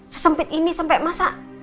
sesempit ini sampai masa